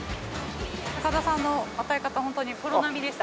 高田さんの与え方ホントにプロ並みでした。